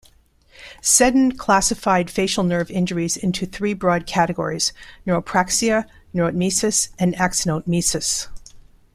Seddon classified facial nerve injuries into three broad categories: neuropraxia, neurotmesis, and axonotmesis.